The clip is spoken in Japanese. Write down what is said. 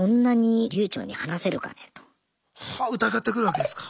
はあっ疑ってくるわけですか。